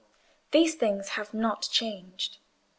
These things have not changed.